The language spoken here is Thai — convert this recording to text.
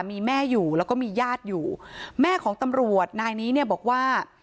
มีแม่อยู่แล้วก็มีญาติอยู่แม่ของตำรวจนายนี้เนี่ยบอกว่า